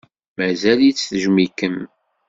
Mazal-itt tejjem-ikem.